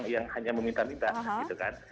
yang hanya meminta minta gitu kan